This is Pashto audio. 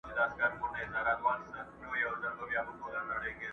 کار و بار وي د غزلو کښت و کار وي د غزلو.